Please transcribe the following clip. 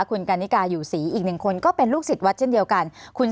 คุณกันนิกาอยู่ศรีอีกหนึ่งคนก็เป็นลูกศิษย์วัดเช่นเดียวกัน